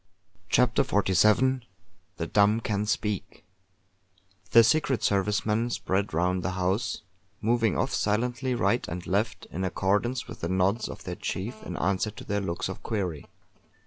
CHAPTER XLVII THE DUMB CAN SPEAK The Secret Service men spread round the house, moving off silently right and left, in accordance with the nods of their chief in answer to their looks of query.